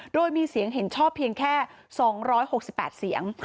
โดยมีเสียงเห็นชอบเพียงแค่๒๖๘เสียง